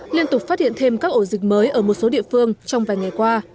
liên tục phát hiện thêm các ổ dịch mới ở một số địa phương trong vài ngày qua